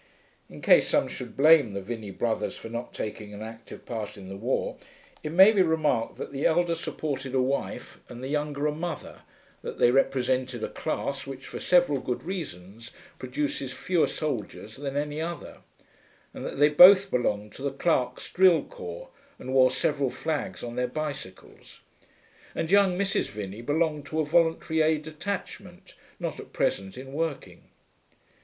(In case some should blame the Vinney brothers for not taking an active part in the war, it may be remarked that the elder supported a wife and the younger a mother, that they represented a class which, for several good reasons, produces fewer soldiers than any other, and that they both belonged to the Clerks' Drill Corps, and wore several flags on their bicycles. And young Mrs. Vinney belonged to a Voluntary Aid Detachment, not at present in working.)